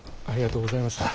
ありがとうございます。